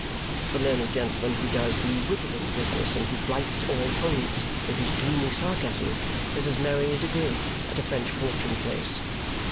The learned gentleman who does the withering business and who blights all opponents with his gloomy sarcasm is as merry as a grig at a French watering place.